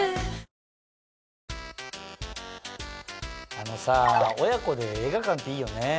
あのさぁ親子で映画館っていいよね。